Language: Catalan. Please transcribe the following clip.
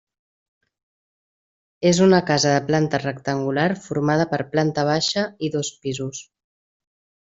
És una casa de planta rectangular formada per planta baixa i dos pisos.